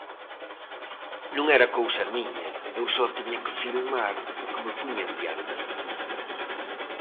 non era cousa miña, eu só tiña que filmar o que me puñan diante.